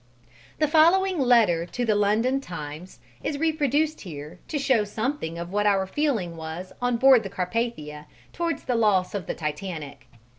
The following letter to the London "Times" is reproduced here to show something of what our feeling was on board the Carpathia towards the loss of the Titanic.